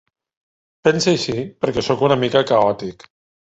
Pensa així perquè sóc una mica caòtic.